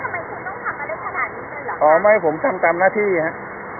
ทำไมคุณต้องทำมาได้ขนาดนี้ด้วยหรอ